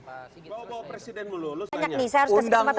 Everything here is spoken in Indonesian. bawa bawa presiden melulus